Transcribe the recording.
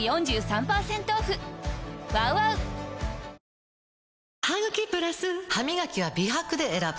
あふっハミガキは美白で選ぶ！